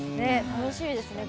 楽しみですね